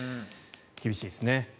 厳しいですね。